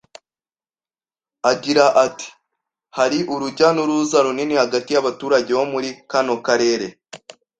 Agira ati “Hari urujya n’uruza runini hagati y’abaturage bo muri kano karere,